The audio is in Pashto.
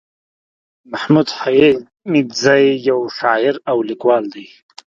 محمود حميدزى يٶ شاعر او ليکوال دئ